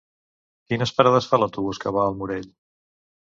Quines parades fa l'autobús que va al Morell?